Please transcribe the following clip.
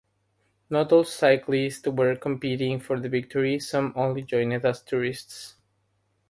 Not all cyclists were competing for the victory; some only joined as tourists.